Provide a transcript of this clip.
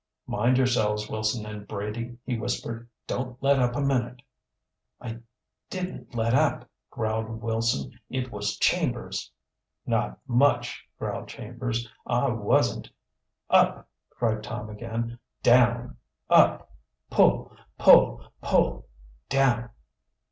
"Mind yourselves, Wilson and Brady!" he whispered. "Don't let up a minute." "I didn't let up," growled Wilson. "It was Chambers." "Not much!" growled Chambers. "I wasn't " "Up!" cried Tom again. "Down! Up! Pull, pull! pull! Down!"